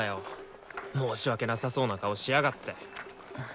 申し訳なさそうな顔しやがって。